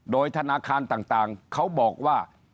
โดยธนาคารต่างเขาบอกว่า